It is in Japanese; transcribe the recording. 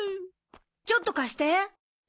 ちょっと貸して。